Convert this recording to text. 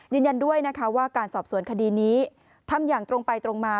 ยืนยันด้วยนะคะว่าการสอบสวนคดีนี้ทำอย่างตรงไปตรงมา